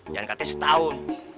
jangan katanya setahun